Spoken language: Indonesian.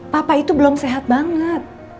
papa itu belum sehat banget